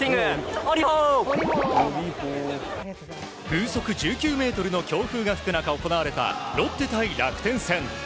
風速１９メートルの強風が吹く中行われた、ロッテ対楽天戦。